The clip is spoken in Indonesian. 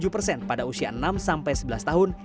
tujuh persen pada usia enam sampai sebelas tahun